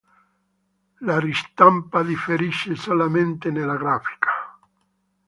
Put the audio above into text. La ristampa differisce solamente nella grafica.